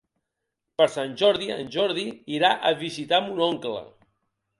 Per Sant Jordi en Jordi irà a visitar mon oncle.